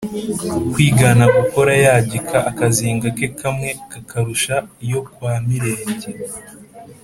kwigana gukora yagika akazinga ke kamwe kakarusha iyo kwa Mirenge